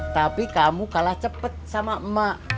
tapi kamu kalah cepat sama emak